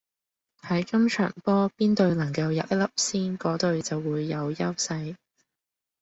喺今場波邊隊能夠入一粒先，果隊就會有優勢